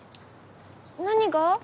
何が？